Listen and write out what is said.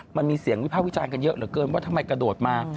มันมีเสียงวิพากษ์วิจารณ์กันเยอะเหลือเกินว่าทำไมกระโดดมา